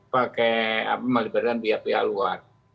pakai melibatkan pihak pihak luar